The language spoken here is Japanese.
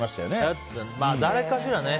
誰かしらね。